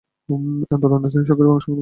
এই আন্দোলনে তিনি সক্রিয়ভাবে অংশগ্রহণ করেন।